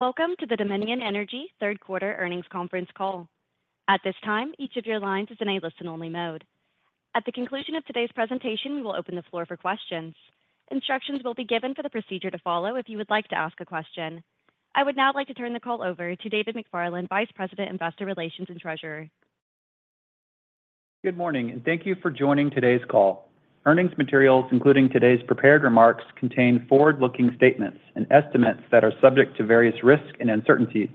Welcome to the Dominion Energy third quarter earnings conference call. At this time, each of your lines is in a listen-only mode. At the conclusion of today's presentation, we will open the floor for questions. Instructions will be given for the procedure to follow if you would like to ask a question. I would now like to turn the call over to David McFarland, Vice President, Investor Relations and Treasurer. Good morning, and thank you for joining today's call. Earnings materials, including today's prepared remarks, contain forward-looking statements and estimates that are subject to various risks and uncertainties.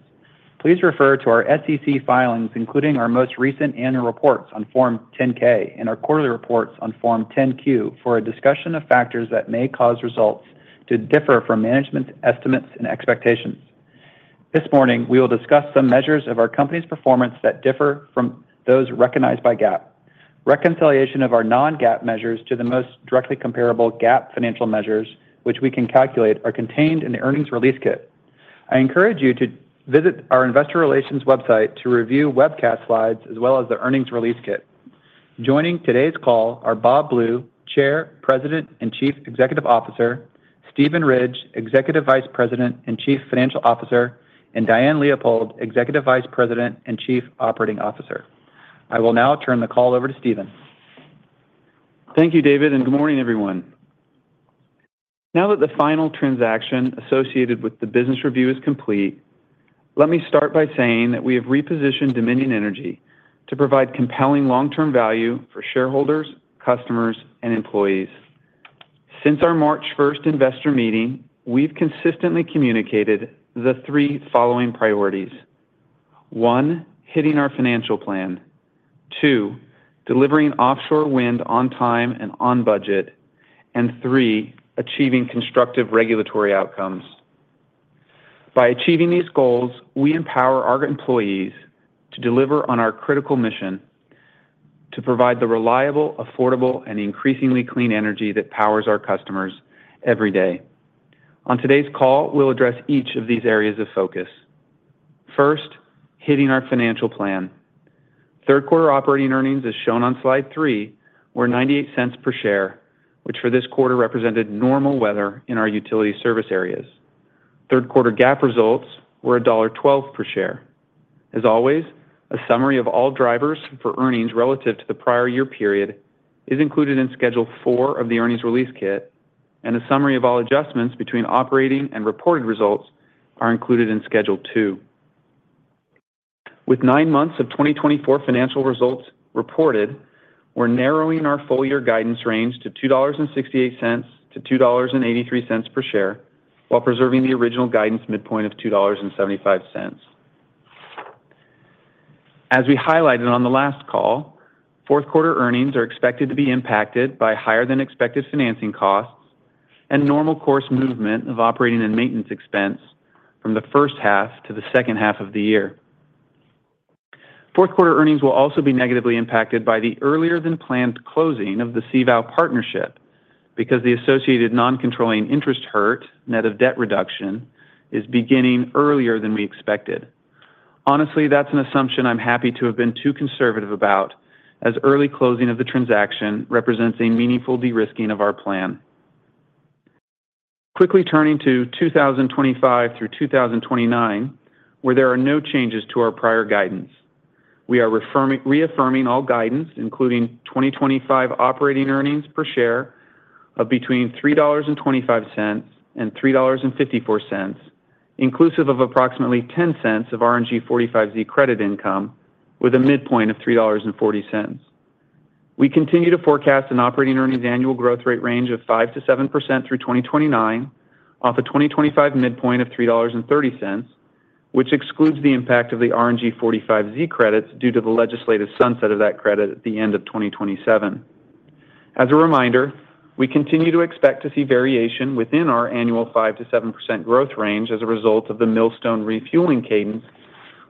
Please refer to our SEC filings, including our most recent annual reports on Form 10-K and our quarterly reports on Form 10-Q, for a discussion of factors that may cause results to differ from management's estimates and expectations. This morning, we will discuss some measures of our company's performance that differ from those recognized by GAAP. Reconciliation of our non-GAAP measures to the most directly comparable GAAP financial measures, which we can calculate, are contained in the earnings release kit. I encourage you to visit our Investor Relations website to review webcast slides as well as the earnings release kit. Joining today's call are Bob Blue, Chair, President, and Chief Executive Officer, Steven Ridge, Executive Vice President and Chief Financial Officer, and Diane Leopold, Executive Vice President and Chief Operating Officer. I will now turn the call over to Steven. Thank you, David, and good morning, everyone. Now that the final transaction associated with the business review is complete, let me start by saying that we have repositioned Dominion Energy to provide compelling long-term value for shareholders, customers, and employees. Since our March 1st investor meeting, we've consistently communicated the three following priorities: one, hitting our financial plan; two, delivering offshore wind on time and on budget; and three, achieving constructive regulatory outcomes. By achieving these goals, we empower our employees to deliver on our critical mission to provide the reliable, affordable, and increasingly clean energy that powers our customers every day. On today's call, we'll address each of these areas of focus. First, hitting our financial plan. Third-quarter operating earnings, as shown on slide three, were $0.98 per share, which for this quarter represented normal weather in our utility service areas. Third-quarter GAAP results were $1.12 per share. As always, a summary of all drivers for earnings relative to the prior year period is included in Schedule 4 of the earnings release kit, and a summary of all adjustments between operating and reported results are included in Schedule 2. With nine months of 2024 financial results reported, we're narrowing our full-year guidance range to $2.68-$2.83 per share while preserving the original guidance midpoint of $2.75. As we highlighted on the last call, fourth-quarter earnings are expected to be impacted by higher-than-expected financing costs and normal course movement of operating and maintenance expense from the first half to the second half of the year. Fourth-quarter earnings will also be negatively impacted by the earlier-than-planned closing of the CVOW partnership because the associated non-controlling interest gain, net of debt reduction, is beginning earlier than we expected. Honestly, that's an assumption I'm happy to have been too conservative about, as early closing of the transaction represents a meaningful de-risking of our plan. Quickly turning to 2025-2029, where there are no changes to our prior guidance. We are reaffirming all guidance, including 2025 operating earnings per share of between $3.25-$3.54, inclusive of approximately $0.10 of RNG 45Z credit income with a midpoint of $3.40. We continue to forecast an operating earnings annual growth rate range of 5%-7% through 2029 off a 2025 midpoint of $3.30, which excludes the impact of the RNG 45Z credits due to the legislative sunset of that credit at the end of 2027. As a reminder, we continue to expect to see variation within our annual 5%-7% growth range as a result of the Millstone refueling cadence,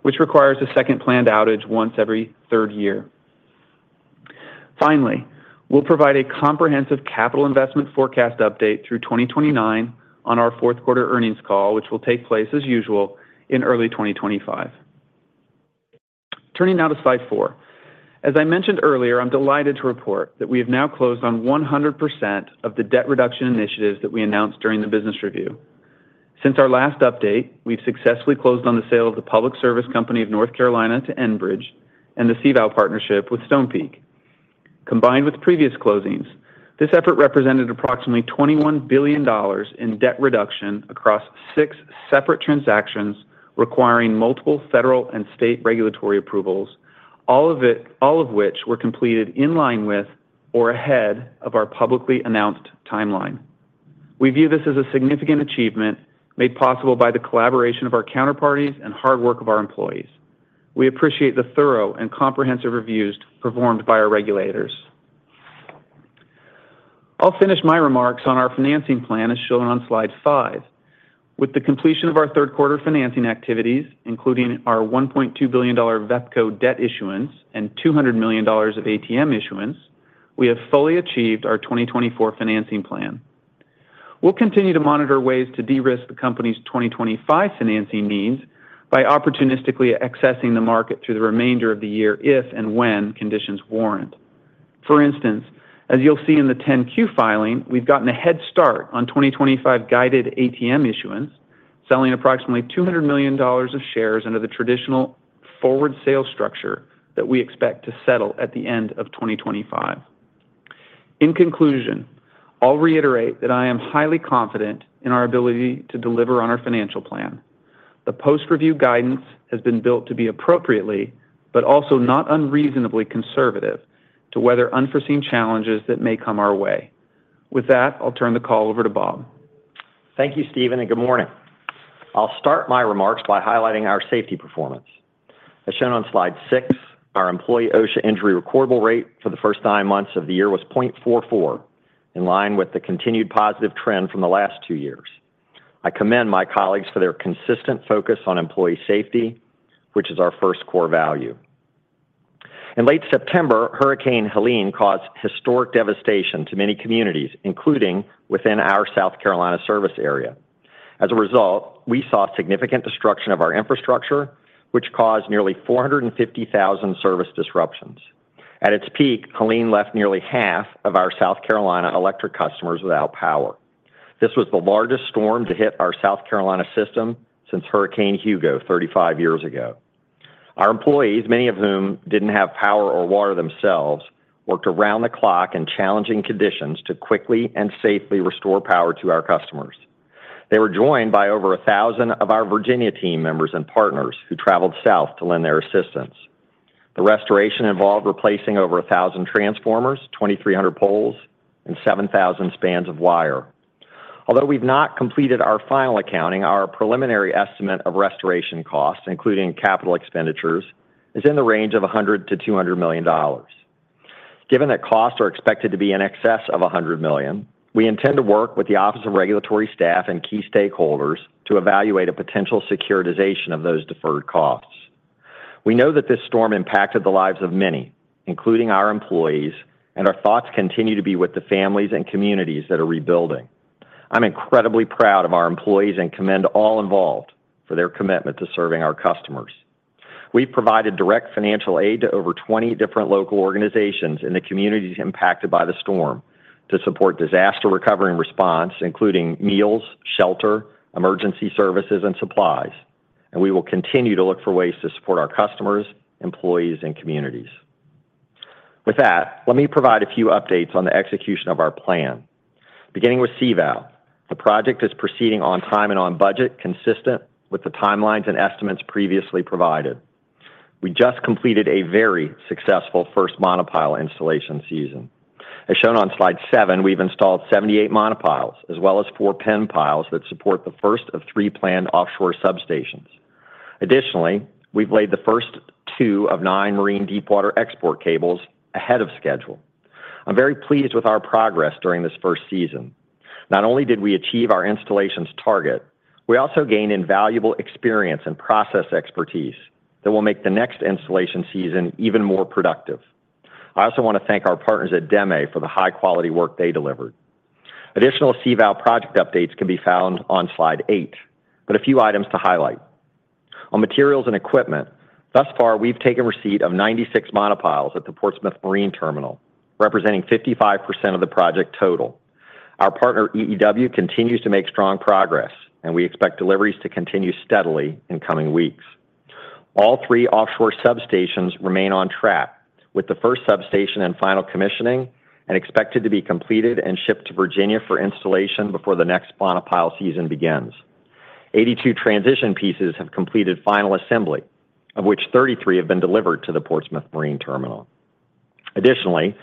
which requires a second planned outage once every third year. Finally, we'll provide a comprehensive capital investment forecast update through 2029 on our fourth-quarter earnings call, which will take place, as usual, in early 2025. Turning now to slide four. As I mentioned earlier, I'm delighted to report that we have now closed on 100% of the debt reduction initiatives that we announced during the business review. Since our last update, we've successfully closed on the sale of the Public Service Company of North Carolina to Enbridge and the CVOW partnership with Stonepeak. Combined with previous closings, this effort represented approximately $21 billion in debt reduction across six separate transactions requiring multiple federal and state regulatory approvals, all of which were completed in line with or ahead of our publicly announced timeline. We view this as a significant achievement made possible by the collaboration of our counterparties and hard work of our employees. We appreciate the thorough and comprehensive reviews performed by our regulators. I'll finish my remarks on our financing plan, as shown on slide five. With the completion of our third-quarter financing activities, including our $1.2 billion VEPCO debt issuance and $200 million of ATM issuance, we have fully achieved our 2024 financing plan. We'll continue to monitor ways to de-risk the company's 2025 financing needs by opportunistically accessing the market through the remainder of the year if and when conditions warrant. For instance, as you'll see in the 10-Q filing, we've gotten a head start on 2025 guided ATM issuance, selling approximately $200 million of shares under the traditional forward sale structure that we expect to settle at the end of 2025. In conclusion, I'll reiterate that I am highly confident in our ability to deliver on our financial plan. The post-review guidance has been built to be appropriately but also not unreasonably conservative to weather unforeseen challenges that may come our way. With that, I'll turn the call over to Bob. Thank you, Steven, and good morning. I'll start my remarks by highlighting our safety performance. As shown on slide six, our employee OSHA injury recordable rate for the first nine months of the year was 0.44, in line with the continued positive trend from the last two years. I commend my colleagues for their consistent focus on employee safety, which is our first core value. In late September, Hurricane Helene caused historic devastation to many communities, including within our South Carolina service area. As a result, we saw significant destruction of our infrastructure, which caused nearly 450,000 service disruptions. At its peak, Helene left nearly half of our South Carolina electric customers without power. This was the largest storm to hit our South Carolina system since Hurricane Hugo 35 years ago. Our employees, many of whom didn't have power or water themselves, worked around the clock in challenging conditions to quickly and safely restore power to our customers. They were joined by over 1,000 of our Virginia team members and partners who traveled south to lend their assistance. The restoration involved replacing over 1,000 transformers, 2,300 poles, and 7,000 spans of wire. Although we've not completed our final accounting, our preliminary estimate of restoration costs, including capital expenditures, is in the range of $100-$200 million. Given that costs are expected to be in excess of $100 million, we intend to work with the Office of Regulatory Staff and key stakeholders to evaluate a potential securitization of those deferred costs. We know that this storm impacted the lives of many, including our employees, and our thoughts continue to be with the families and communities that are rebuilding. I'm incredibly proud of our employees and commend all involved for their commitment to serving our customers. We've provided direct financial aid to over 20 different local organizations in the communities impacted by the storm to support disaster recovery and response, including meals, shelter, emergency services, and supplies, and we will continue to look for ways to support our customers, employees, and communities. With that, let me provide a few updates on the execution of our plan. Beginning with CVOW, the project is proceeding on time and on budget, consistent with the timelines and estimates previously provided. We just completed a very successful first monopile installation season. As shown on slide seven, we've installed 78 monopiles as well as four pin piles that support the first of three planned offshore substations. Additionally, we've laid the first two of nine marine deepwater export cables ahead of schedule. I'm very pleased with our progress during this first season. Not only did we achieve our installation's target, we also gained invaluable experience and process expertise that will make the next installation season even more productive. I also want to thank our partners at DEME for the high-quality work they delivered. Additional CVOWproject updates can be found on slide eight, but a few items to highlight. On materials and equipment, thus far, we've taken receipt of 96 monopiles at the Portsmouth Marine Terminal, representing 55% of the project total. Our partner EEW continues to make strong progress, and we expect deliveries to continue steadily in coming weeks. All three offshore substations remain on track, with the first substation in final commissioning and expected to be completed and shipped to Virginia for installation before the next monopile season begins. 82 transition pieces have completed final assembly, of which 33 have been delivered to the Portsmouth Marine Terminal. Additionally,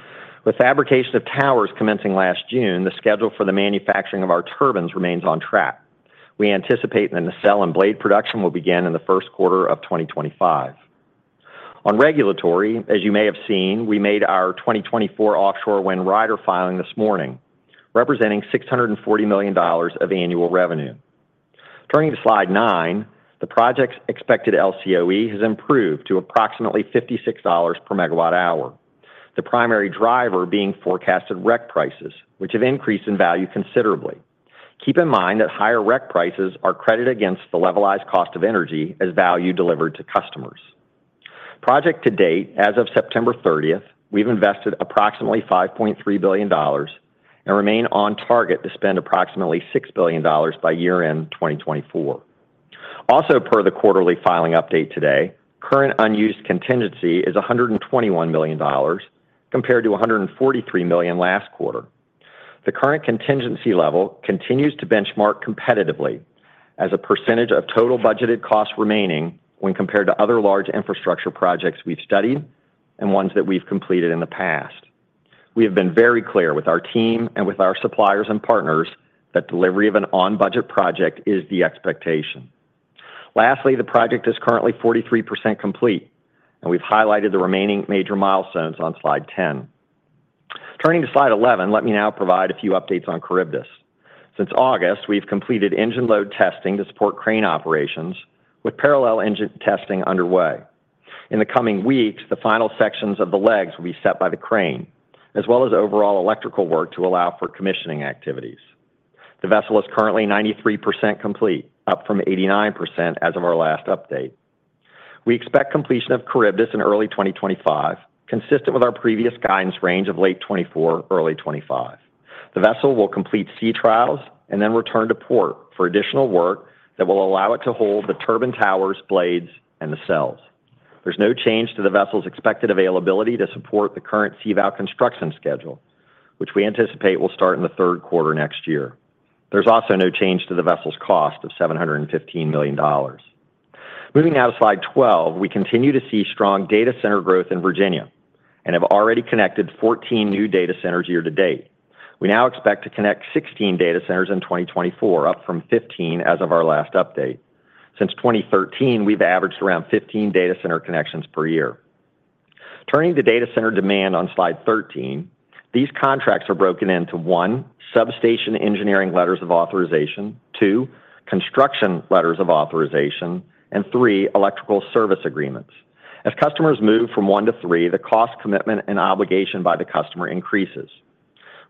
with fabrication of towers commencing last June, the schedule for the manufacturing of our turbines remains on track. We anticipate that nacelle and blade production will begin in the first quarter of 2025. On regulatory, as you may have seen, we made our 2024 offshore wind rider filing this morning, representing $640 million of annual revenue. Turning to slide nine, the project's expected LCOE has improved to approximately $56 per megawatt hour, the primary driver being forecasted REC prices, which have increased in value considerably. Keep in mind that higher REC prices are credited against the levelized cost of energy as value delivered to customers. Project to date, as of September 30th, we've invested approximately $5.3 billion and remain on target to spend approximately $6 billion by year-end 2024. Also, per the quarterly filing update today, current unused contingency is $121 million compared to $143 million last quarter. The current contingency level continues to benchmark competitively as a percentage of total budgeted costs remaining when compared to other large infrastructure projects we've studied and ones that we've completed in the past. We have been very clear with our team and with our suppliers and partners that delivery of an on-budget project is the expectation. Lastly, the project is currently 43% complete, and we've highlighted the remaining major milestones on slide 10. Turning to slide 11, let me now provide a few updates on Charybdis. Since August, we've completed engine load testing to support crane operations, with parallel engine testing underway. In the coming weeks, the final sections of the legs will be set by the crane, as well as overall electrical work to allow for commissioning activities. The vessel is currently 93% complete, up from 89% as of our last update. We expect completion of Charybdis in early 2025, consistent with our previous guidance range of late 2024, early 2025. The vessel will complete sea trials and then return to port for additional work that will allow it to hold the turbine towers, blades, and nacelles. There's no change to the vessel's expected availability to support the current CVOW construction schedule, which we anticipate will start in the third quarter next year. There's also no change to the vessel's cost of $715 million. Moving now to slide 12, we continue to see strong data center growth in Virginia and have already connected 14 new data centers year to date. We now expect to connect 16 data centers in 2024, up from 15 as of our last update. Since 2013, we've averaged around 15 data center connections per year. Turning to data center demand on slide 13, these contracts are broken into one, substation engineering letters of authorization, two, construction letters of authorization, and three, electrical service agreements. As customers move from one to three, the cost commitment and obligation by the customer increases.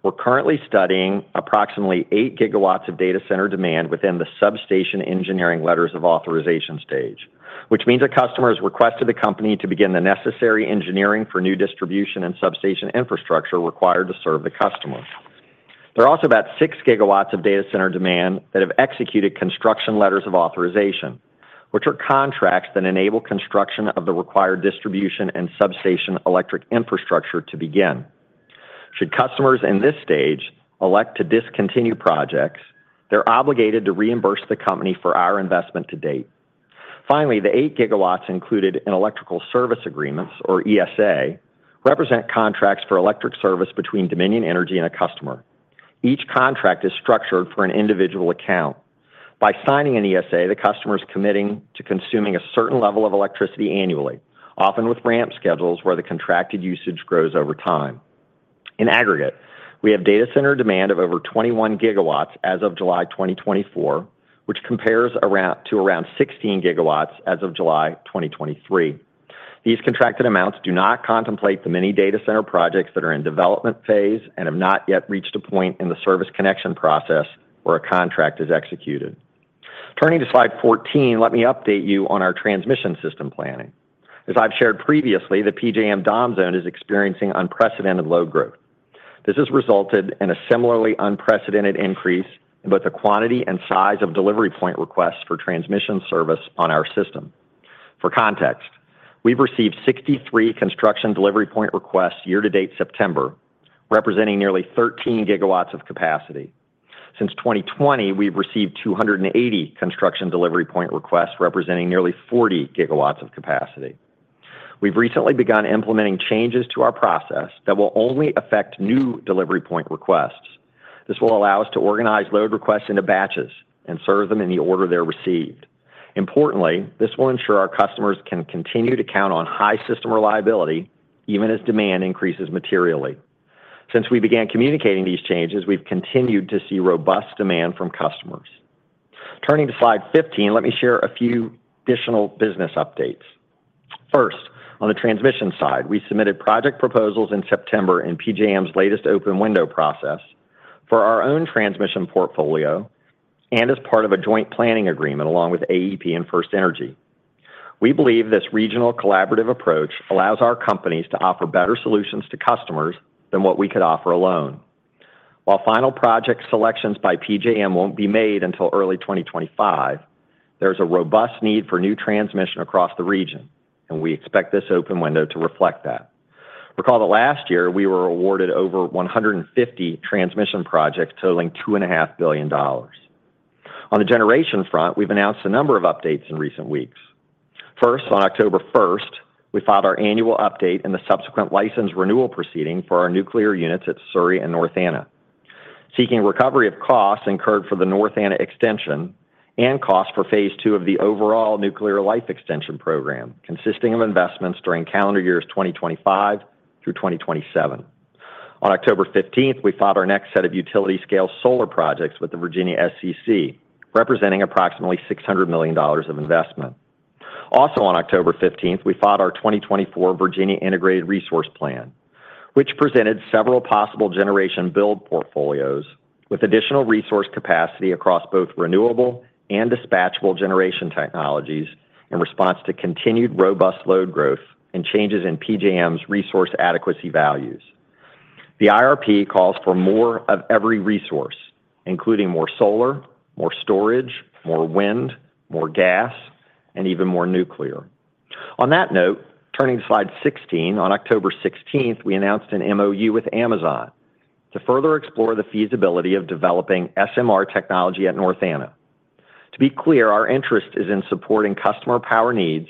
We're currently studying approximately 8 GW of data center demand within the substation engineering letters of authorization stage, which means that customers requested the company to begin the necessary engineering for new distribution and substation infrastructure required to serve the customer. There are also about 6 GW of data center demand that have executed construction letters of authorization, which are contracts that enable construction of the required distribution and substation electric infrastructure to begin. Should customers in this stage elect to discontinue projects, they're obligated to reimburse the company for our investment to date. Finally, the 8GW included in electrical service agreements, or ESA, represent contracts for electric service between Dominion Energy and a customer. Each contract is structured for an individual account. By signing an ESA, the customer is committing to consuming a certain level of electricity annually, often with ramp schedules where the contracted usage grows over time. In aggregate, we have data center demand of over 21 GW as of July 2024, which compares to around 16 GW as of July 2023. These contracted amounts do not contemplate the many data center projects that are in development phase and have not yet reached a point in the service connection process where a contract is executed. Turning to slide 14, let me update you on our transmission system planning. As I've shared previously, the PJM DOM zone is experiencing unprecedented load growth. This has resulted in a similarly unprecedented increase in both the quantity and size of delivery point requests for transmission service on our system. For context, we've received 63 construction delivery point requests year-to-date September, representing nearly 13 GW of capacity. Since 2020, we've received 280 construction delivery point requests representing nearly 40 GW of capacity. We've recently begun implementing changes to our process that will only affect new delivery point requests. This will allow us to organize load requests into batches and serve them in the order they're received. Importantly, this will ensure our customers can continue to count on high system reliability even as demand increases materially. Since we began communicating these changes, we've continued to see robust demand from customers. Turning to slide 15, let me share a few additional business updates. First, on the transmission side, we submitted project proposals in September in PJM's latest open window process for our own transmission portfolio and as part of a joint planning agreement along with AEP and FirstEnergy. We believe this regional collaborative approach allows our companies to offer better solutions to customers than what we could offer alone. While final project selections by PJM won't be made until early 2025, there's a robust need for new transmission across the region, and we expect this open window to reflect that. Recall that last year, we were awarded over 150 transmission projects totaling $2.5 billion. On the generation front, we've announced a number of updates in recent weeks. First, on October 1st, we filed our annual update and the subsequent license renewal proceeding for our nuclear units at Surry and North Anna, seeking recovery of costs incurred for the North Anna extension and costs for phase two of the overall nuclear life extension program, consisting of investments during calendar years 2025 through 2027. On October 15th, we filed our next set of utility-scale solar projects with the Virginia SCC, representing approximately $600 million of investment. Also, on October 15th, we filed our 2024 Virginia Integrated Resource Plan, which presented several possible generation build portfolios with additional resource capacity across both renewable and dispatchable generation technologies in response to continued robust load growth and changes in PJM's resource adequacy values. The IRP calls for more of every resource, including more solar, more storage, more wind, more gas, and even more nuclear. On that note, turning to slide 16, on October 16th, we announced an MoU with Amazon to further explore the feasibility of developing SMR technology at North Anna. To be clear, our interest is in supporting customer power needs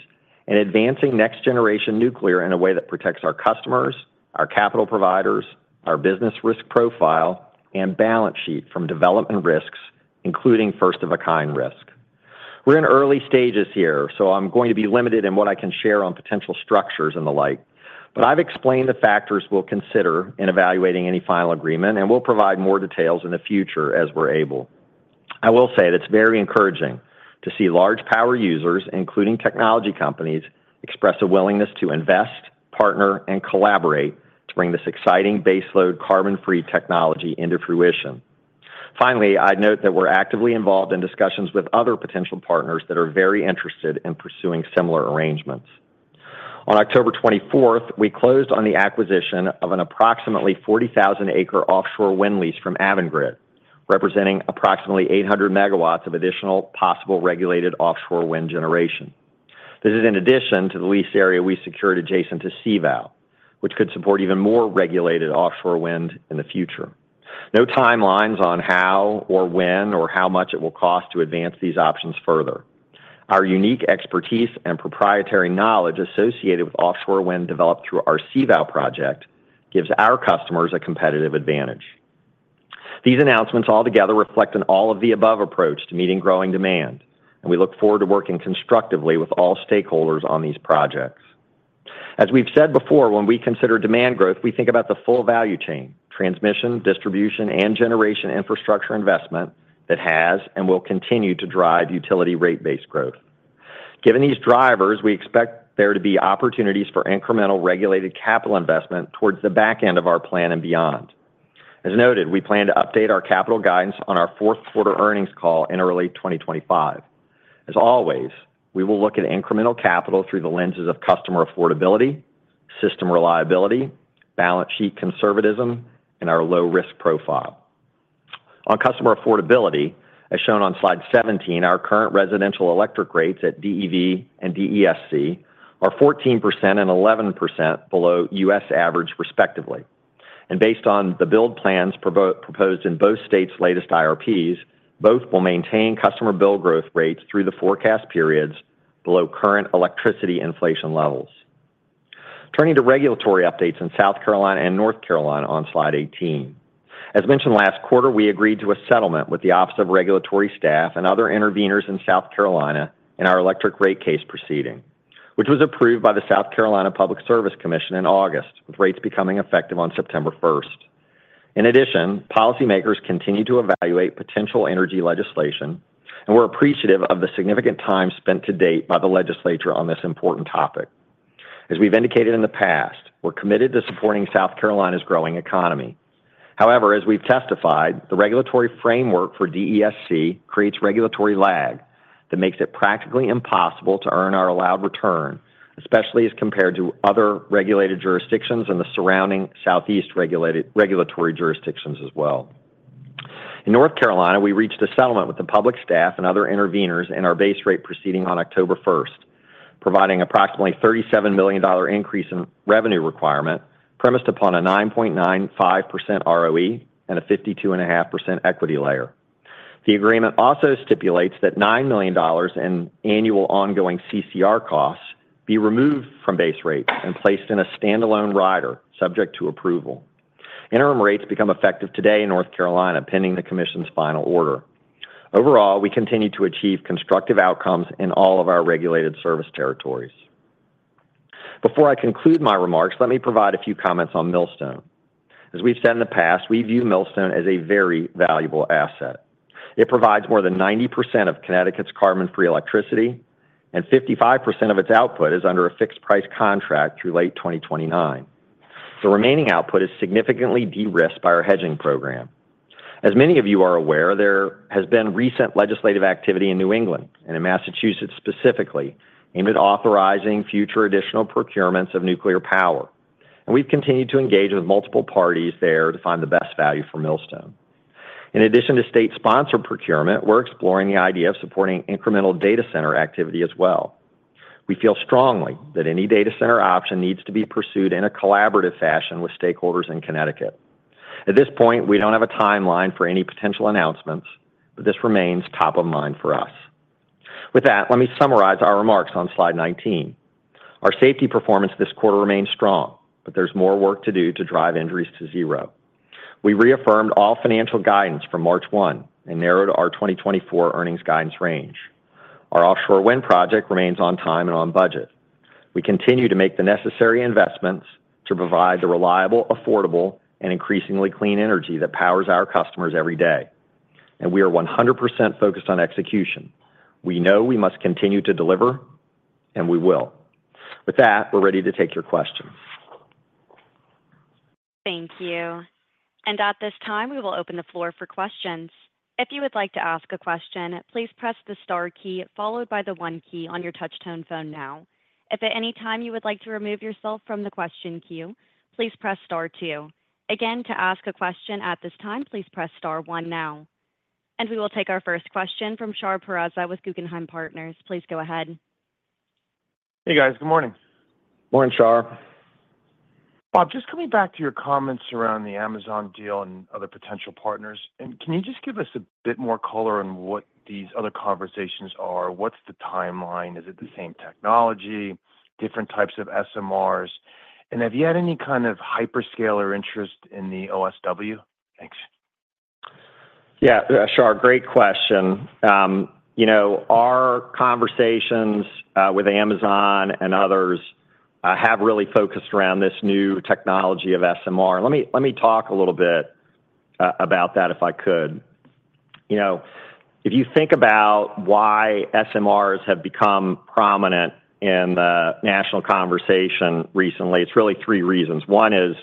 and advancing next-generation nuclear in a way that protects our customers, our capital providers, our business risk profile, and balance sheet from development risks, including first-of-a-kind risk. We're in early stages here, so I'm going to be limited in what I can share on potential structures and the like, but I've explained the factors we'll consider in evaluating any final agreement, and we'll provide more details in the future as we're able. I will say that it's very encouraging to see large power users, including technology companies, express a willingness to invest, partner, and collaborate to bring this exciting baseload carbon-free technology into fruition. Finally, I'd note that we're actively involved in discussions with other potential partners that are very interested in pursuing similar arrangements. On October 24th, we closed on the acquisition of an approximately 40,000-acre offshore wind lease from Avangrid, representing approximately 800 MW of additional possible regulated offshore wind generation. This is in addition to the lease area we secured adjacent to CVOW, which could support even more regulated offshore wind in the future. No timelines on how or when or how much it will cost to advance these options further. Our unique expertise and proprietary knowledge associated with offshore wind developed through our CVOW project gives our customers a competitive advantage. These announcements altogether reflect an all-of-the-above approach to meeting growing demand, and we look forward to working constructively with all stakeholders on these projects. As we've said before, when we consider demand growth, we think about the full value chain: transmission, distribution, and generation infrastructure investment that has and will continue to drive utility rate-based growth. Given these drivers, we expect there to be opportunities for incremental regulated capital investment towards the back end of our plan and beyond. As noted, we plan to update our capital guidance on our fourth quarter earnings call in early 2025. As always, we will look at incremental capital through the lenses of customer affordability, system reliability, balance sheet conservatism, and our low-risk profile. On customer affordability, as shown on slide 17, our current residential electric rates at DEV and DESC are 14% and 11% below U.S. average, respectively, and based on the build plans proposed in both states' latest IRPs, both will maintain customer bill growth rates through the forecast periods below current electricity inflation levels. Turning to regulatory updates in South Carolina and North Carolina on slide 18. As mentioned last quarter, we agreed to a settlement with the Office of Regulatory Staff and other intervenors in South Carolina in our electric rate case proceeding, which was approved by the South Carolina Public Service Commission in August, with rates becoming effective on September 1st. In addition, policymakers continue to evaluate potential energy legislation and were appreciative of the significant time spent to date by the legislature on this important topic. As we've indicated in the past, we're committed to supporting South Carolina's growing economy. However, as we've testified, the regulatory framework for DESC creates regulatory lag that makes it practically impossible to earn our allowed return, especially as compared to other regulated jurisdictions and the surrounding southeast regulatory jurisdictions as well. In North Carolina, we reached a settlement with the Public Staff and other intervenors in our base rate proceeding on October 1st, providing an approximately $37 million increase in revenue requirement premised upon a 9.95% ROE and a 52.5% equity layer. The agreement also stipulates that $9 million in annual ongoing CCR costs be removed from base rates and placed in a standalone rider subject to approval. Interim rates become effective today in North Carolina, pending the commission's final order. Overall, we continue to achieve constructive outcomes in all of our regulated service territories. Before I conclude my remarks, let me provide a few comments on Millstone. As we've said in the past, we view Millstone as a very valuable asset. It provides more than 90% of Connecticut's carbon-free electricity, and 55% of its output is under a fixed-price contract through late 2029. The remaining output is significantly de-risked by our hedging program. As many of you are aware, there has been recent legislative activity in New England and in Massachusetts specifically aimed at authorizing future additional procurements of nuclear power. And we've continued to engage with multiple parties there to find the best value for Millstone. In addition to state-sponsored procurement, we're exploring the idea of supporting incremental data center activity as well. We feel strongly that any data center option needs to be pursued in a collaborative fashion with stakeholders in Connecticut. At this point, we don't have a timeline for any potential announcements, but this remains top of mind for us. With that, let me summarize our remarks on slide 19. Our safety performance this quarter remains strong, but there's more work to do to drive injuries to zero. We reaffirmed all financial guidance from March 1 and narrowed our 2024 earnings guidance range. Our offshore wind project remains on time and on budget. We continue to make the necessary investments to provide the reliable, affordable, and increasingly clean energy that powers our customers every day, and we are 100% focused on execution. We know we must continue to deliver, and we will. With that, we're ready to take your questions. Thank you, and at this time, we will open the floor for questions. If you would like to ask a question, please press the star key followed by the one key on your touch-tone phone now. If at any time you would like to remove yourself from the question queue, please press star two. Again, to ask a question at this time, please press star one now. And we will take our first question from Shar Pourreza with Guggenheim Partners. Please go ahead. Hey, guys. Good morning. Morning, Shar. Bob, just coming back to your comments around the Amazon deal and other potential partners. And can you just give us a bit more color on what these other conversations are? What's the timeline? Is it the same technology, different types of SMRs? And have you had any kind of hyperscaler interest in the OSW? Thanks. Yeah, Shar, great question. Our conversations with Amazon and others have really focused around this new technology of SMR. Let me talk a little bit about that if I could. If you think about why SMRs have become prominent in the national conversation recently, it's really three reasons. One is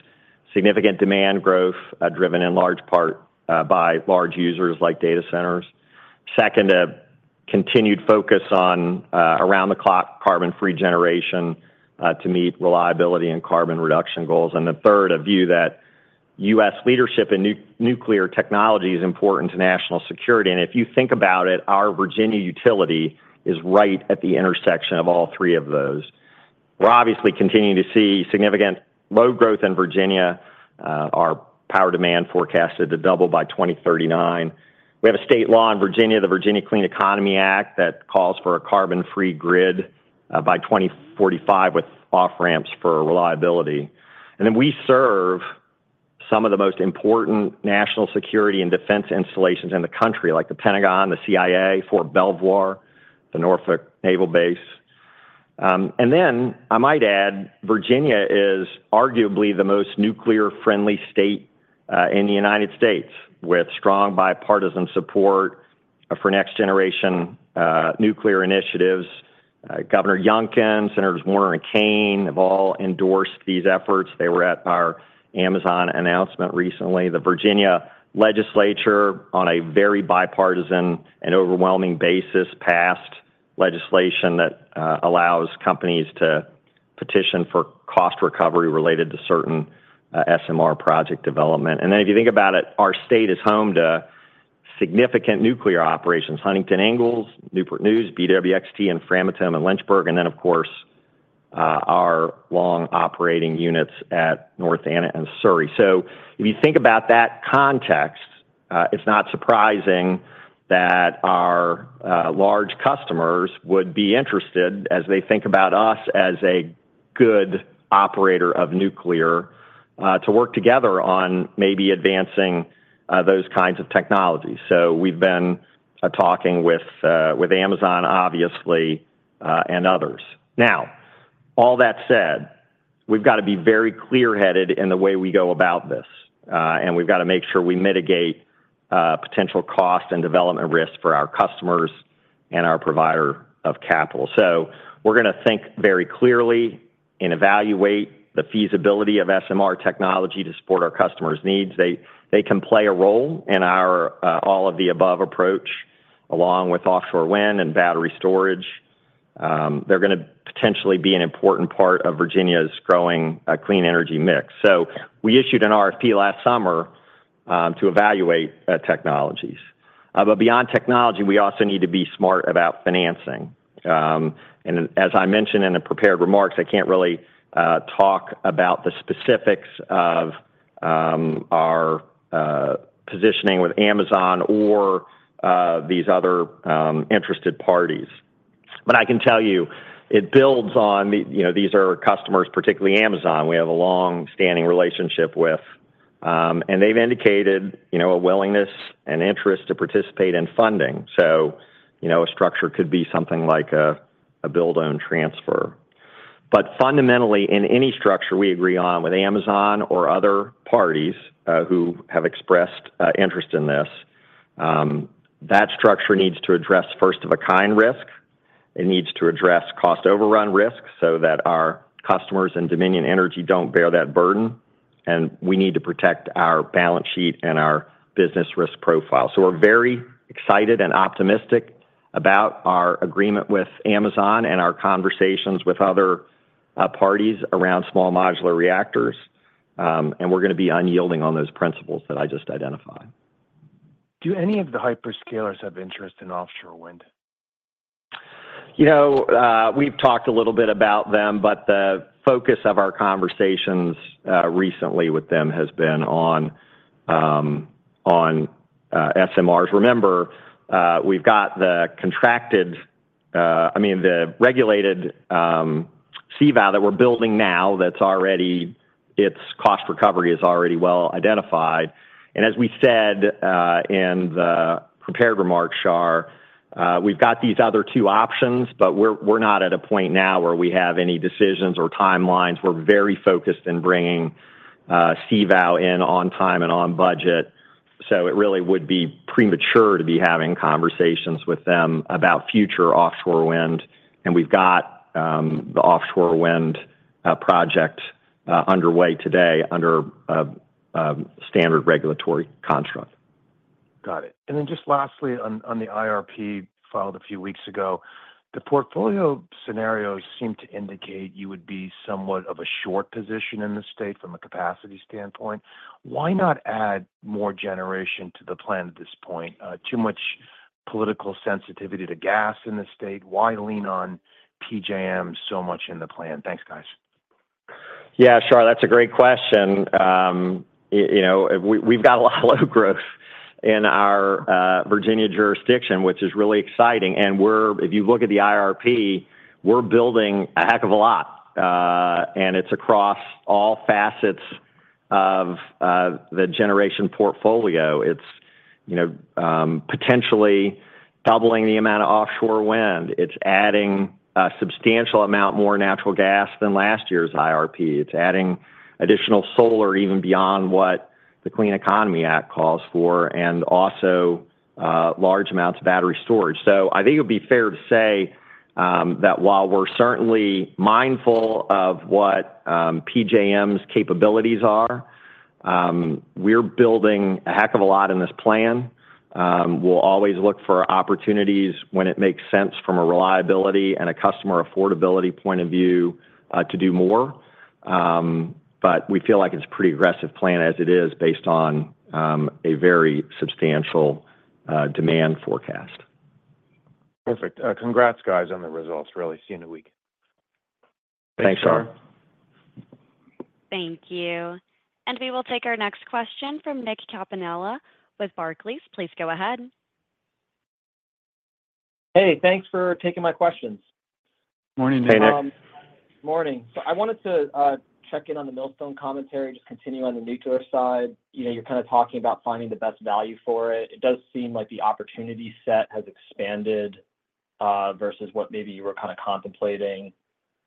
significant demand growth driven in large part by large users like data centers. Second, a continued focus on around-the-clock carbon-free generation to meet reliability and carbon reduction goals. And the third, a view that U.S. leadership in nuclear technology is important to national security. And if you think about it, our Virginia utility is right at the intersection of all three of those. We're obviously continuing to see significant load growth in Virginia. Our power demand forecasted to double by 2039. We have a state law in Virginia, the Virginia Clean Economy Act, that calls for a carbon-free grid by 2045 with off-ramps for reliability. And then we serve some of the most important national security and defense installations in the country, like the Pentagon, the CIA, Fort Belvoir, the Norfolk Naval Base. And then I might add, Virginia is arguably the most nuclear-friendly state in the United States, with strong bipartisan support for next-generation nuclear initiatives. Governor Youngkin, Senators Warner and Kaine have all endorsed these efforts. They were at our Amazon announcement recently. The Virginia legislature, on a very bipartisan and overwhelming basis, passed legislation that allows companies to petition for cost recovery related to certain SMR project development. And then if you think about it, our state is home to significant nuclear operations: Huntington Ingalls, Newport News, BWXT, and Framatome and Lynchburg, and then, of course, our long-operating units at North Anna and Surry. So if you think about that context, it's not surprising that our large customers would be interested, as they think about us as a good operator of nuclear, to work together on maybe advancing those kinds of technologies. So we've been talking with Amazon, obviously, and others. Now, all that said, we've got to be very clear-headed in the way we go about this. We've got to make sure we mitigate potential cost and development risk for our customers and our provider of capital. So we're going to think very clearly and evaluate the feasibility of SMR technology to support our customers' needs. They can play a role in our all-of-the-above approach, along with offshore wind and battery storage. They're going to potentially be an important part of Virginia's growing clean energy mix. So we issued an RFP last summer to evaluate technologies. But beyond technology, we also need to be smart about financing. And as I mentioned in the prepared remarks, I can't really talk about the specifics of our positioning with Amazon or these other interested parties. But I can tell you, it builds on these are customers, particularly Amazon. We have a long-standing relationship with them. And they've indicated a willingness and interest to participate in funding. A structure could be something like a build-own transfer. Fundamentally, in any structure we agree on with Amazon or other parties who have expressed interest in this, that structure needs to address first-of-a-kind risk. It needs to address cost overrun risk so that our customers and Dominion Energy don't bear that burden. We need to protect our balance sheet and our business risk profile. We're very excited and optimistic about our agreement with Amazon and our conversations with other parties around small modular reactors. We're going to be unyielding on those principles that I just identified. Do any of the hyperscalers have interest in offshore wind? We've talked a little bit about them, but the focus of our conversations recently with them has been on SMRs. Remember, we've got the contracted, I mean, the regulated CVOW that we're building now. That's already its cost recovery is already well identified. And as we said in the prepared remarks, Shar, we've got these other two options, but we're not at a point now where we have any decisions or timelines. We're very focused in bringing CVOW in on time and on budget. So it really would be premature to be having conversations with them about future offshore wind. And we've got the offshore wind project underway today under a standard regulatory construct. Got it. And then just lastly, on the IRP filed a few weeks ago, the portfolio scenarios seem to indicate you would be somewhat of a short position in the state from a capacity standpoint. Why not add more generation to the plan at this point? Too much political sensitivity to gas in the state. Why lean on PJM so much in the plan? Thanks, guys. Yeah, Shar, that's a great question. We've got a lot of load growth in our Virginia jurisdiction, which is really exciting. If you look at the IRP, we're building a heck of a lot. It's across all facets of the generation portfolio. It's potentially doubling the amount of offshore wind. It's adding a substantial amount more natural gas than last year's IRP. It's adding additional solar even beyond what the Clean Economy Act calls for, and also large amounts of battery storage. I think it would be fair to say that while we're certainly mindful of what PJM's capabilities are, we're building a heck of a lot in this plan. We'll always look for opportunities when it makes sense from a reliability and a customer affordability point of view to do more. But we feel like it's a pretty aggressive plan as it is based on a very substantial demand forecast. Perfect. Congrats, guys, on the results. Really see you in a week. Thanks, Shar. Thank you. And we will take our next question from Nick Campanella with Barclays. Please go ahead. Hey, thanks for taking my questions. Morning, Nick. Hey, Nick. Morning. So I wanted to check in on the Millstone commentary, just continuing on the nuclear side. You're kind of talking about finding the best value for it. It does seem like the opportunity set has expanded versus what maybe you were kind of contemplating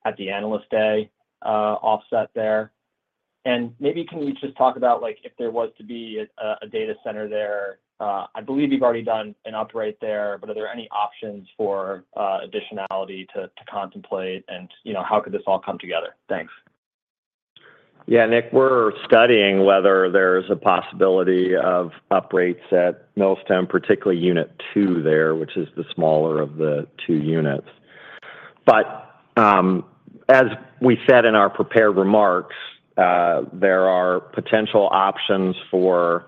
at the analyst day offset there. And maybe can you just talk about if there was to be a data center there? I believe you've already done an upgrade there, but are there any options for additionality to contemplate? How could this all come together? Thanks. Yeah, Nick, we're studying whether there's a possibility of upgrades at Millstone, particularly unit two there, which is the smaller of the two units. But as we said in our prepared remarks, there are potential options for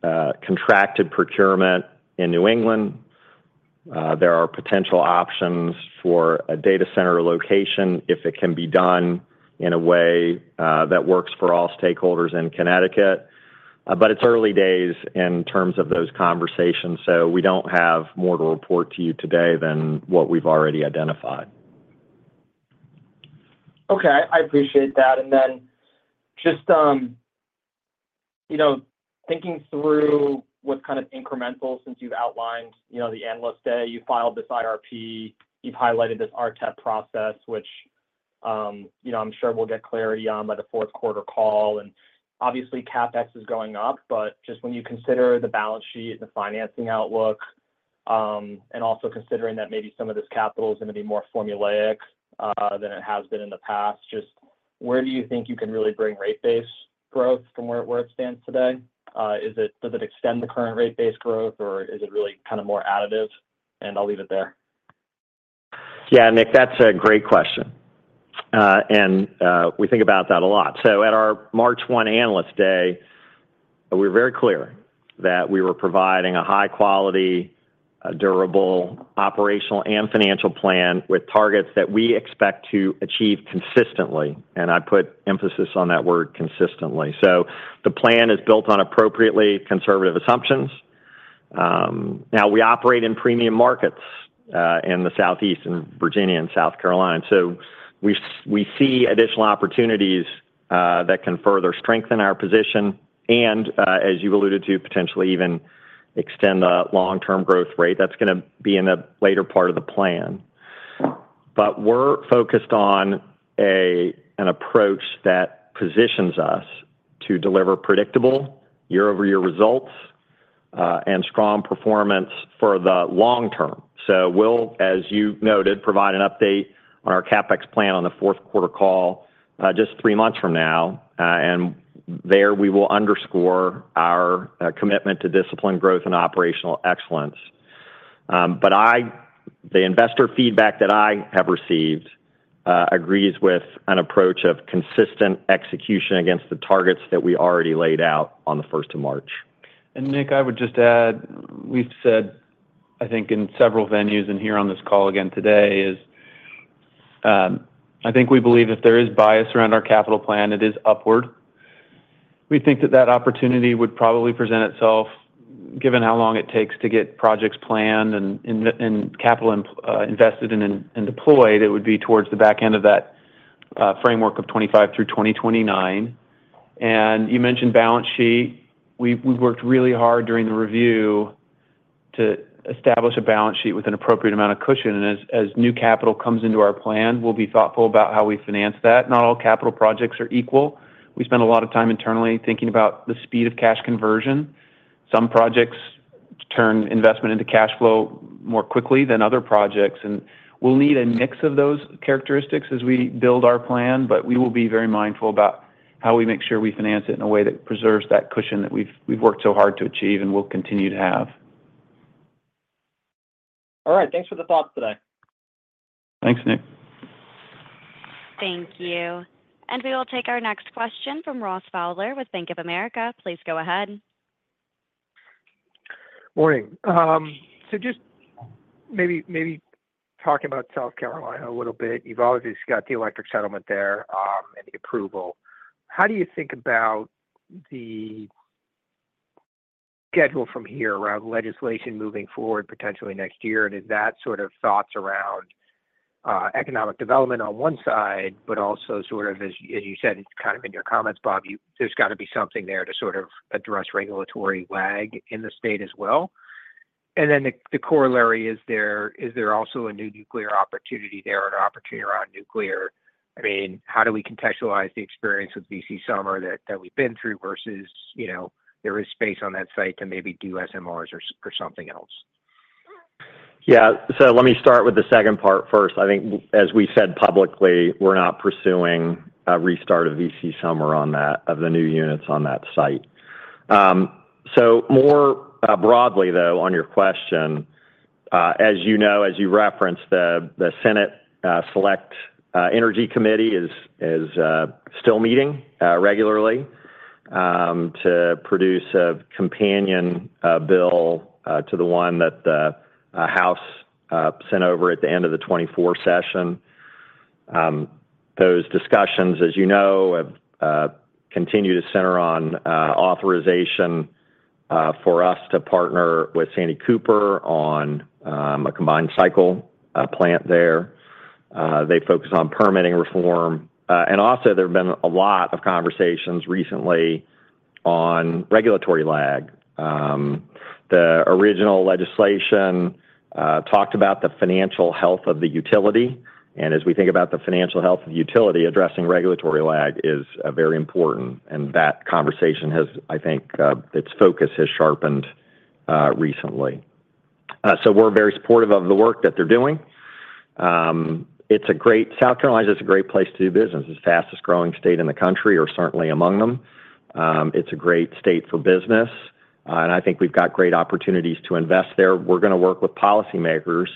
contracted procurement in New England. There are potential options for a data center location if it can be done in a way that works for all stakeholders in Connecticut. But it's early days in terms of those conversations. So we don't have more to report to you today than what we've already identified. Okay. I appreciate that. And then just thinking through what's kind of incremental since you've outlined the analyst day, you filed this IRP, you've highlighted this RTEP process, which I'm sure we'll get clarity on by the fourth quarter call. And obviously, CapEx is going up. But just when you consider the balance sheet and the financing outlook, and also considering that maybe some of this capital is going to be more formulaic than it has been in the past, just where do you think you can really bring rate-based growth from where it stands today? Does it extend the current rate-based growth, or is it really kind of more additive? And I'll leave it there. Yeah, Nick, that's a great question. And we think about that a lot. So at our March 1 analyst day, we were very clear that we were providing a high-quality, durable operational and financial plan with targets that we expect to achieve consistently. And I put emphasis on that word, consistently. So the plan is built on appropriately conservative assumptions. Now, we operate in premium markets in the Southeast in Virginia and South Carolina. So we see additional opportunities that can further strengthen our position and, as you alluded to, potentially even extend the long-term growth rate that's going to be in the later part of the plan. But we're focused on an approach that positions us to deliver predictable year-over-year results and strong performance for the long term. So we'll, as you noted, provide an update on our CapEx plan on the fourth quarter call just three months from now. And there, we will underscore our commitment to discipline, growth, and operational excellence. But the investor feedback that I have received agrees with an approach of consistent execution against the targets that we already laid out on the first of March. And Nick, I would just add. We've said, I think, in several venues and here on this call again today, is I think we believe if there is bias around our capital plan, it is upward. We think that that opportunity would probably present itself, given how long it takes to get projects planned and capital invested and deployed. It would be towards the back end of that framework of 2025 through 2029. And you mentioned balance sheet. We've worked really hard during the review to establish a balance sheet with an appropriate amount of cushion. And as new capital comes into our plan, we'll be thoughtful about how we finance that. Not all capital projects are equal. We spend a lot of time internally thinking about the speed of cash conversion. Some projects turn investment into cash flow more quickly than other projects. And we'll need a mix of those characteristics as we build our plan. But we will be very mindful about how we make sure we finance it in a way that preserves that cushion that we've worked so hard to achieve and will continue to have. All right. Thanks for the thoughts today. Thanks, Nick. Thank you. And we will take our next question from Ross Fowler with Bank of America. Please go ahead. Morning. So just maybe talking about South Carolina a little bit, you've already got the electric settlement there and the approval. How do you think about the schedule from here around legislation moving forward potentially next year? And is that sort of thoughts around economic development on one side, but also sort of, as you said, kind of in your comments, Bob, there's got to be something there to sort of address regulatory lag in the state as well. And then the corollary, is there also a new nuclear opportunity there or an opportunity around nuclear? I mean, how do we contextualize the experience with V.C. Summer that we've been through versus there is space on that site to maybe do SMRs or something else? Yeah. So let me start with the second part first. I think, as we said publicly, we're not pursuing a restart of V.C. Summer on that, of the new units on that site. So more broadly, though, on your question, as you know, as you referenced, the Senate Select Energy Committee is still meeting regularly to produce a companion bill to the one that the House sent over at the end of the 2024 session. Those discussions, as you know, have continued to center on authorization for us to partner with Santee Cooper on a combined cycle plant there. They focus on permitting reform. And also, there have been a lot of conversations recently on regulatory lag. The original legislation talked about the financial health of the utility. And as we think about the financial health of the utility, addressing regulatory lag is very important. And that conversation has, I think, its focus has sharpened recently. So we're very supportive of the work that they're doing. South Carolina is a great place to do business. It's the fastest growing state in the country, or certainly among them. It's a great state for business, and I think we've got great opportunities to invest there. We're going to work with policymakers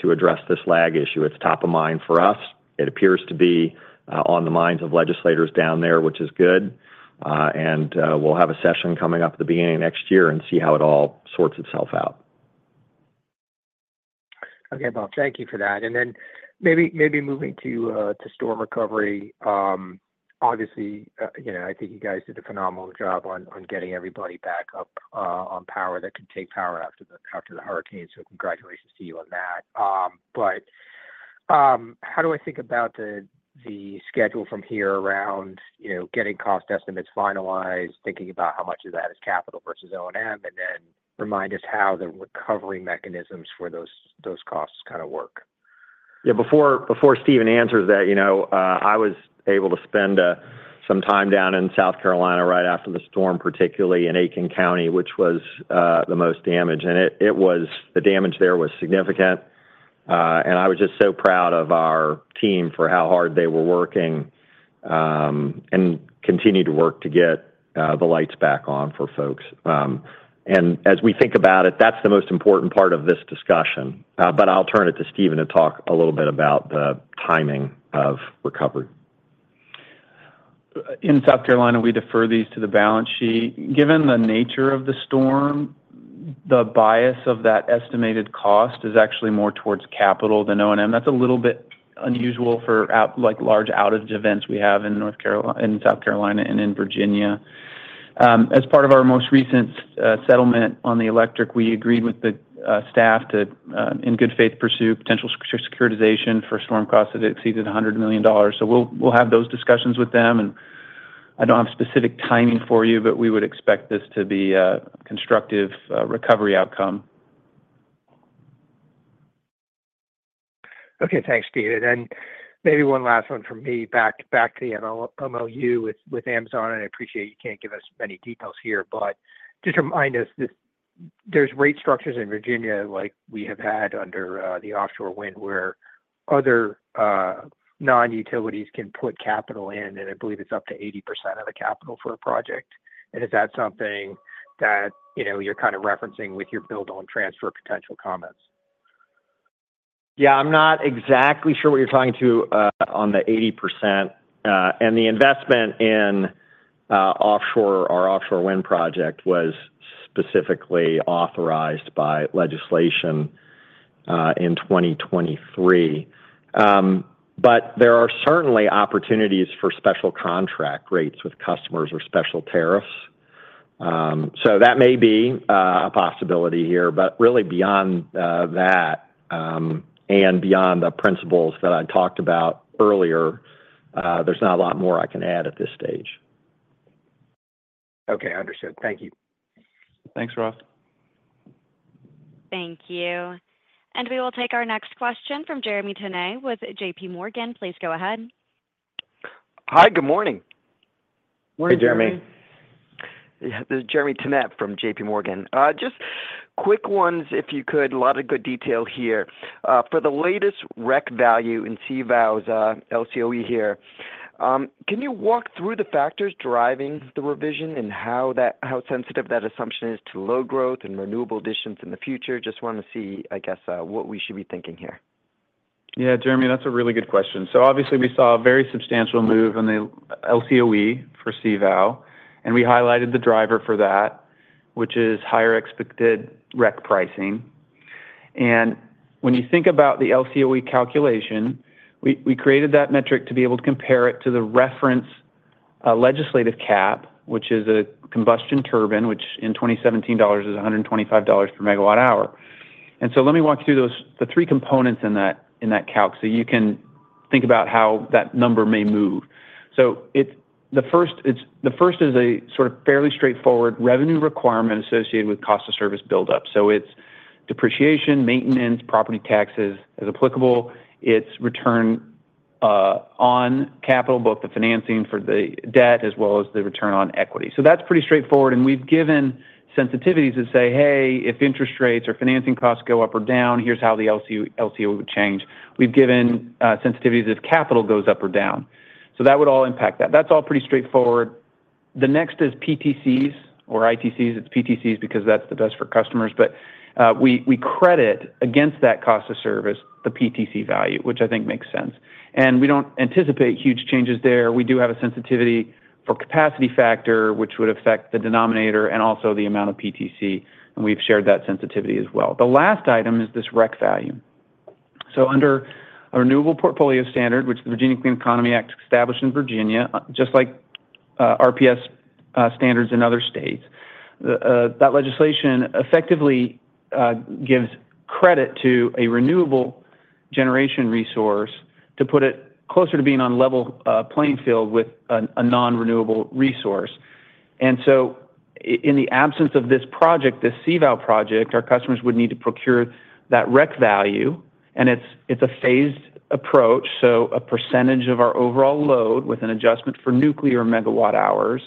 to address this lag issue. It's top of mind for us. It appears to be on the minds of legislators down there, which is good, and we'll have a session coming up at the beginning of next year and see how it all sorts itself out. Okay, Bob. Thank you for that, and then maybe moving to storm recovery. Obviously, I think you guys did a phenomenal job on getting everybody back up on power that could take power after the hurricane, so congratulations to you on that. But how do I think about the schedule from here around getting cost estimates finalized, thinking about how much of that is capital versus O&M, and then remind us how the recovery mechanisms for those costs kind of work? Yeah. Before Steven answers that, I was able to spend some time down in South Carolina right after the storm, particularly in Aiken County, which was the most damaged. And the damage there was significant. And I was just so proud of our team for how hard they were working and continue to work to get the lights back on for folks. And as we think about it, that's the most important part of this discussion. But I'll turn it to Steven to talk a little bit about the timing of recovery. In South Carolina, we defer these to the balance sheet. Given the nature of the storm, the bias of that estimated cost is actually more towards capital than O&M. That's a little bit unusual for large outage events we have in South Carolina and in Virginia. As part of our most recent settlement on the electric, we agreed with the staff to, in good faith, pursue potential securitization for storm costs that exceeded $100 million. So we'll have those discussions with them. And I don't have specific timing for you, but we would expect this to be a constructive recovery outcome. Okay. Thanks, Steven. And maybe one last one from me back to the MOU with Amazon. And I appreciate you can't give us many details here. But just remind us, there's rate structures in Virginia like we have had under the offshore wind where other non-utilities can put capital in. I believe it's up to 80% of the capital for a project. And is that something that you're kind of referencing with your build-on transfer potential comments? Yeah. I'm not exactly sure what you're talking to on the 80%. And the investment in our offshore wind project was specifically authorized by legislation in 2023. But there are certainly opportunities for special contract rates with customers or special tariffs. So that may be a possibility here. But really, beyond that and beyond the principles that I talked about earlier, there's not a lot more I can add at this stage. Okay. Understood. Thank you. Thanks, Ross. Thank you. And we will take our next question from Jeremy Tonet with J.P. Morgan. Please go ahead. Hi. Good morning. Morning, Jeremy. This is Jeremy Tonet from J.P. Morgan. Just quick ones, if you could. A lot of good detail here. For the latest REC value in CVOW's LCOE here, can you walk through the factors driving the revision and how sensitive that assumption is to low growth and renewable additions in the future? Just want to see, I guess, what we should be thinking here. Yeah, Jeremy, that's a really good question. So obviously, we saw a very substantial move in the LCOE for CVOW. We highlighted the driver for that, which is higher expected REC pricing. When you think about the LCOE calculation, we created that metric to be able to compare it to the reference legislative cap, which is a combustion turbine, which in 2017 is $125 per megawatt hour. Let me walk you through the three components in that calc so you can think about how that number may move. The first is a sort of fairly straightforward revenue requirement associated with cost of service build-up. It's depreciation, maintenance, property taxes as applicable. It's return on capital, book the financing for the debt, as well as the return on equity. That's pretty straightforward. We've given sensitivities that say, "Hey, if interest rates or financing costs go up or down, here's how the LCOE would change." We've given sensitivities if capital goes up or down. That would all impact that. That's all pretty straightforward. The next is PTCs or ITCs. It's PTCs because that's the best for customers. We credit against that cost of service the PTC value, which I think makes sense. We don't anticipate huge changes there. We do have a sensitivity for capacity factor, which would affect the denominator and also the amount of PTC. And we've shared that sensitivity as well. The last item is this REC value. So under a renewable portfolio standard, which the Virginia Clean Economy Act established in Virginia, just like RPS standards in other states, that legislation effectively gives credit to a renewable generation resource to put it closer to being on level playing field with a non-renewable resource. And so in the absence of this project, this CVOW project, our customers would need to procure that REC value. And it's a phased approach. So a percentage of our overall load with an adjustment for nuclear megawatt hours.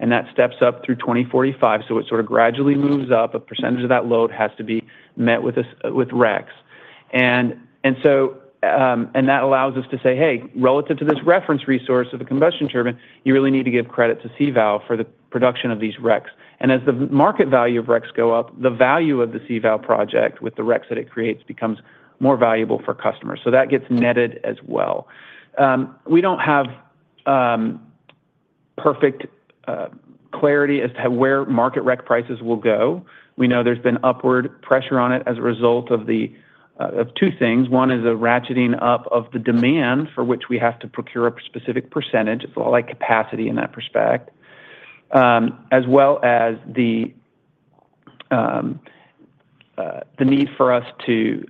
And that steps up through 2045. So it sort of gradually moves up. A percentage of that load has to be met with RECs. And that allows us to say, "Hey, relative to this reference resource of the combustion turbine, you really need to give credit to CVOW for the production of these RECs." And as the market value of RECs go up, the value of the CVOW project with the RECs that it creates becomes more valuable for customers. So that gets netted as well. We don't have perfect clarity as to where market rec prices will go. We know there's been upward pressure on it as a result of two things. One is a ratcheting up of the demand for which we have to procure a specific percentage. It's a lot like capacity in that respect, as well as the need for us to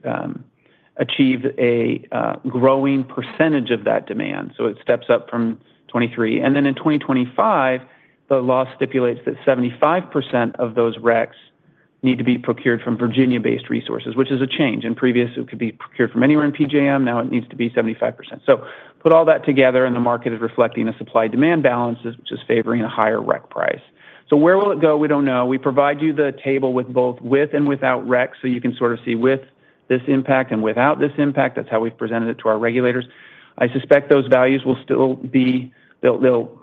achieve a growing percentage of that demand. So it steps up from 2023. And then in 2025, the law stipulates that 75% of those RECs need to be procured from Virginia-based resources, which is a change. In previous, it could be procured from anywhere in PJM. Now it needs to be 75%. So put all that together, and the market is reflecting a supply-demand balance, which is favoring a higher REC price. So where will it go? We don't know. We provide you the table with both and without RECs so you can sort of see with this impact and without this impact. That's how we've presented it to our regulators. I suspect those values will still be. They'll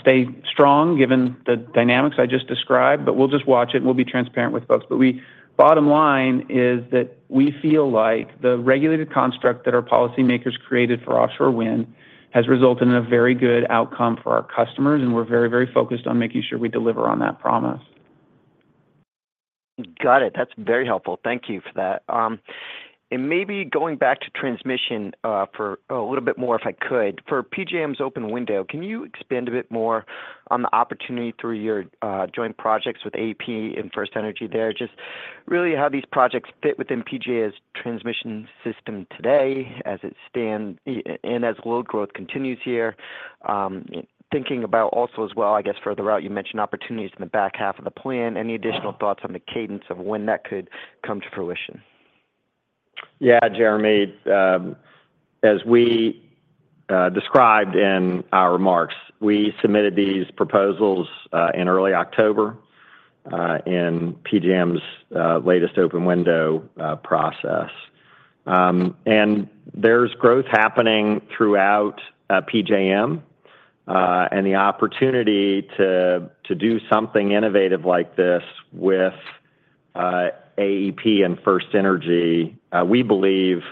stay strong given the dynamics I just described. But we'll just watch it. We'll be transparent with folks. But bottom line is that we feel like the regulated construct that our policymakers created for offshore wind has resulted in a very good outcome for our customers. And we're very, very focused on making sure we deliver on that promise. Got it. That's very helpful. Thank you for that. And maybe going back to transmission for a little bit more, if I could. For PJM's open window, can you expand a bit more on the opportunity through your joint projects with AEP and FirstEnergy there? Just really how these projects fit within PJM's transmission system today as it stands and as load growth continues here. Thinking about also as well, I guess, further out, you mentioned opportunities in the back half of the plan. Any additional thoughts on the cadence of when that could come to fruition? Yeah, Jeremy. As we described in our remarks, we submitted these proposals in early October in PJM's latest open window process, and there's growth happening throughout PJM, and the opportunity to do something innovative like this with AEP and FirstEnergy, we believe,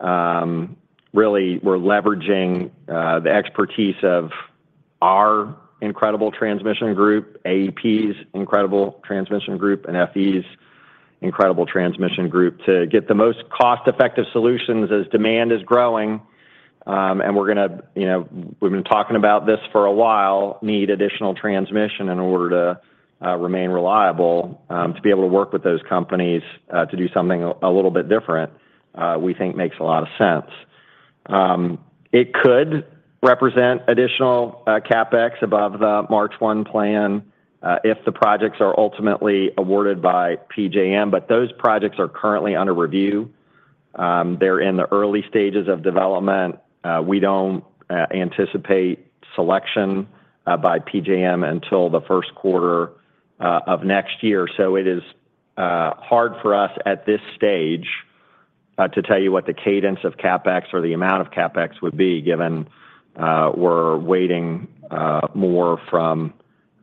really we're leveraging the expertise of our incredible transmission group, AEP's incredible transmission group, and FE's incredible transmission group to get the most cost-effective solutions as demand is growing, and we've been talking about this for a while, need additional transmission in order to remain reliable. To be able to work with those companies to do something a little bit different, we think, makes a lot of sense. It could represent additional CapEx above the March 1 plan if the projects are ultimately awarded by PJM, but those projects are currently under review. They're in the early stages of development. We don't anticipate selection by PJM until the first quarter of next year. So it is hard for us at this stage to tell you what the cadence of CapEx or the amount of CapEx would be given we're waiting more from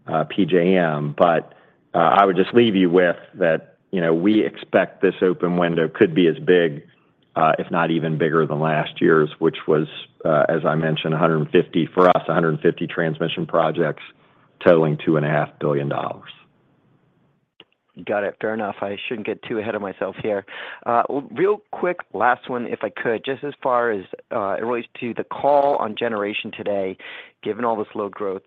PJM. But I would just leave you with that we expect this open window could be as big, if not even bigger than last year's, which was, as I mentioned, for us, 150 transmission projects totaling $2.5 billion. Got it. Fair enough. I shouldn't get too ahead of myself here. Real quick, last one, if I could, just as far as it relates to the call on generation today, given all this low growth,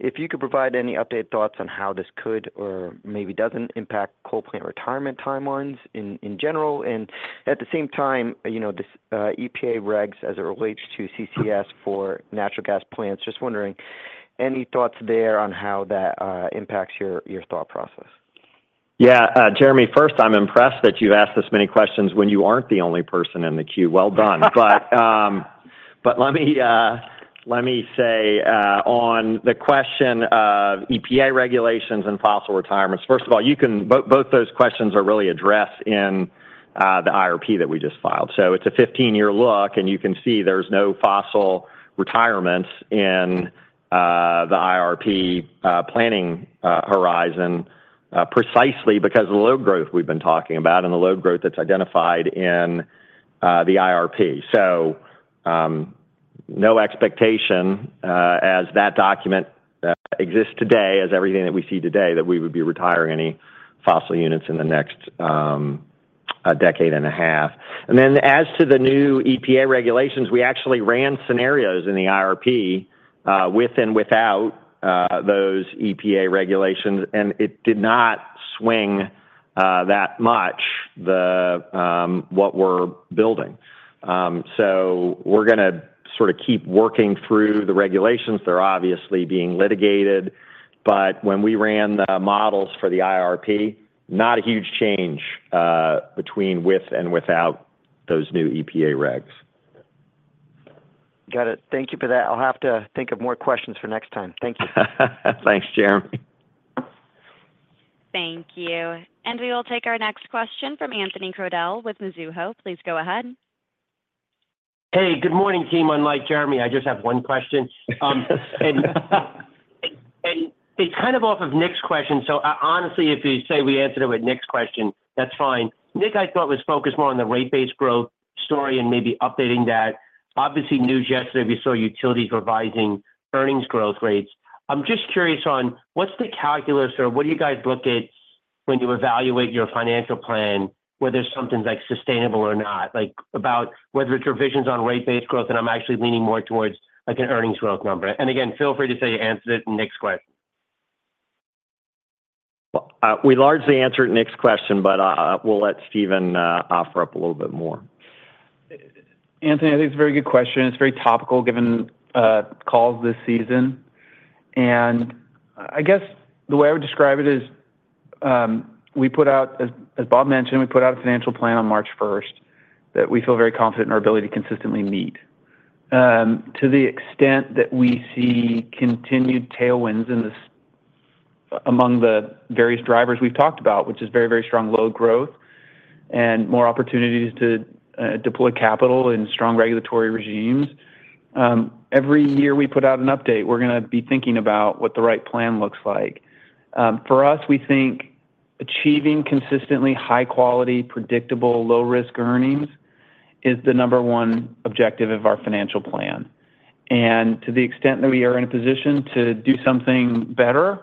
if you could provide any updated thoughts on how this could or maybe doesn't impact coal plant retirement timelines in general. And at the same time, this EPA regs as it relates to CCS for natural gas plants. Just wondering, any thoughts there on how that impacts your thought process? Yeah. Jeremy, first, I'm impressed that you've asked this many questions when you aren't the only person in the queue. Well done. But let me say, on the question of EPA regulations and fossil retirements, first of all, both those questions are really addressed in the IRP that we just filed. So it's a 15-year look. And you can see there's no fossil retirements in the IRP planning horizon precisely because of the low growth we've been talking about and the low growth that's identified in the IRP. So no expectation as that document exists today, as everything that we see today, that we would be retiring any fossil units in the next decade and a half. And then as to the new EPA regulations, we actually ran scenarios in the IRP with and without those EPA regulations. And it did not swing that much what we're building. So we're going to sort of keep working through the regulations. They're obviously being litigated. But when we ran the models for the IRP, not a huge change between with and without those new EPA regs. Got it. Thank you for that. I'll have to think of more questions for next time. Thank you. Thanks, Jeremy. Thank you. And we will take our next question from Anthony Crowdell with Mizuho. Please go ahead. Hey, good morning, team. Unlike Jeremy, I just have one question. And it's kind of off of Nick's question. So honestly, if you say we answered it with Nick's question, that's fine. Nick, I thought was focused more on the rate-based growth story and maybe updating that. Obviously, news yesterday, we saw utilities revising earnings growth rates. I'm just curious on what's the calculus or what do you guys look at when you evaluate your financial plan whether something's sustainable or not, about whether it's revisions on rate-based growth. And I'm actually leaning more towards an earnings growth number. And again, feel free to say you answered it in Nick's question. We largely answered Nick's question, but we'll let Steven offer up a little bit more. Anthony, I think it's a very good question. It's very topical given calls this season. And I guess the way I would describe it is, as Bob mentioned, we put out a financial plan on March 1st that we feel very confident in our ability to consistently meet. To the extent that we see continued tailwinds among the various drivers we've talked about, which is very, very strong load growth and more opportunities to deploy capital in strong regulatory regimes, every year we put out an update, we're going to be thinking about what the right plan looks like. For us, we think achieving consistently high-quality, predictable, low-risk earnings is the number one objective of our financial plan, and to the extent that we are in a position to do something better,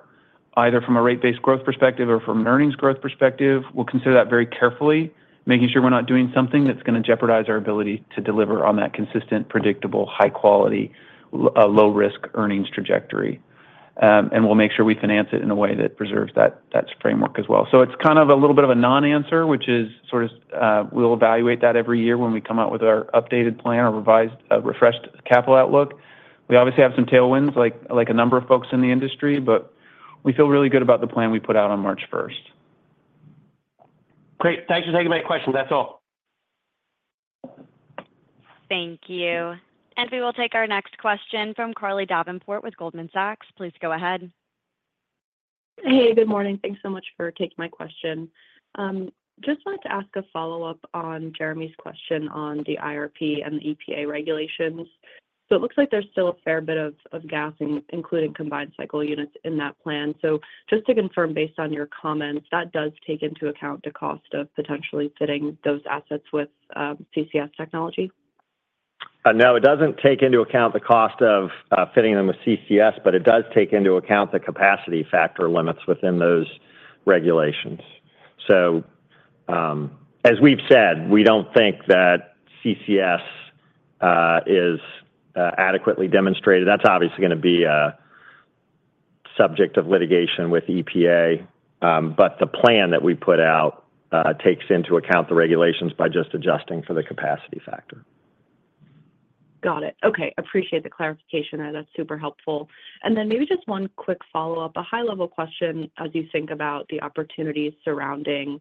either from a rate-based growth perspective or from an earnings growth perspective, we'll consider that very carefully, making sure we're not doing something that's going to jeopardize our ability to deliver on that consistent, predictable, high-quality, low-risk earnings trajectory, and we'll make sure we finance it in a way that preserves that framework as well. So it's kind of a little bit of a non-answer, which is sort of we'll evaluate that every year when we come out with our updated plan or refreshed capital outlook. We obviously have some tailwinds like a number of folks in the industry, but we feel really good about the plan we put out on March 1st. Great. Thanks for taking my question. That's all. Thank you. And we will take our next question from Carly Davenport with Goldman Sachs. Please go ahead. Hey, good morning. Thanks so much for taking my question. Just wanted to ask a follow-up on Jeremy's question on the IRP and the EPA regulations. So it looks like there's still a fair bit of gas, including combined cycle units, in that plan. So just to confirm, based on your comments, that does take into account the cost of potentially fitting those assets with CCS technology? No, it doesn't take into account the cost of fitting them with CCS, but it does take into account the capacity factor limits within those regulations. So as we've said, we don't think that CCS is adequately demonstrated. That's obviously going to be a subject of litigation with EPA. But the plan that we put out takes into account the regulations by just adjusting for the capacity factor. Got it. Okay. Appreciate the clarification there. That's super helpful. And then maybe just one quick follow-up, a high-level question as you think about the opportunities surrounding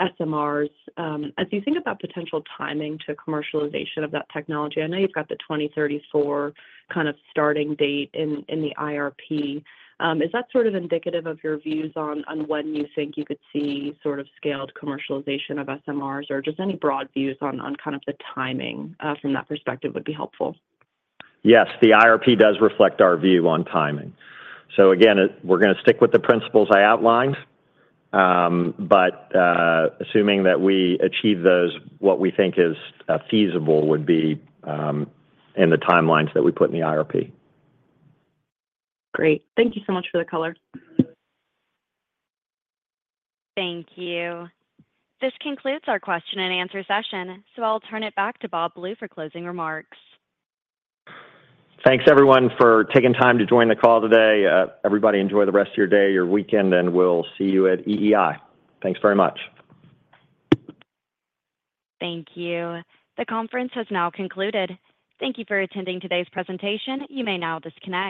SMRs. As you think about potential timing to commercialization of that technology, I know you've got the 2034 kind of starting date in the IRP. Is that sort of indicative of your views on when you think you could see sort of scaled commercialization of SMRs? Or just any broad views on kind of the timing from that perspective would be helpful. Yes. The IRP does reflect our view on timing. So again, we're going to stick with the principles I outlined. But assuming that we achieve those, what we think is feasible would be in the timelines that we put in the IRP. Great. Thank you so much for the color. Thank you. This concludes our question and answer session. So I'll turn it back to Bob Blue for closing remarks. Thanks, everyone, for taking time to join the call today. Everybody, enjoy the rest of your day, your weekend, and we'll see you at EEI. Thanks very much. Thank you. The conference has now concluded. Thank you for attending today's presentation. You may now disconnect.